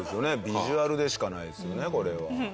ビジュアルでしかないですよねこれは。